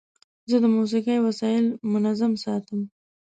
زه د موسیقۍ وسایل منظم ساتم.